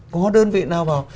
có đơn vị nào bảo